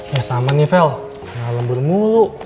ya sama nih vel dalam bermulu